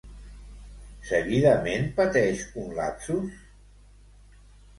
Seguidament pateix un lapsus?